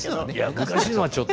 昔のは、ちょっと。